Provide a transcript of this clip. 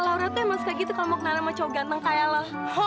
laure nya suka gitu kalau mau kenalin cewe gitu kaya lo